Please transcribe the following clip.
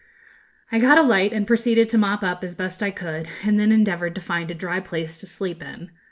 I got a light, and proceeded to mop up, as best I could, and then endeavoured to find a dry place to sleep in.